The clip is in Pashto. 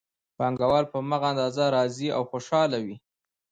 پانګوال په هماغه اندازه راضي او خوشحاله وي